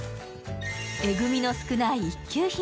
えぐみの少ない一級品。